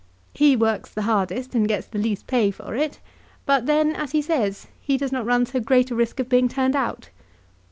He works the hardest and gets the least pay for it; but then, as he says, he does not run so great a risk of being turned out.